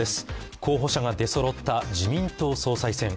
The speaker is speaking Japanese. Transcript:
候補者が出そろった自民党総裁選。